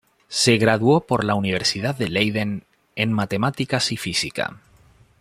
Se graduó por la Universidad de Leiden en Matemáticas y Física.